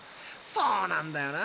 そうなんだよな。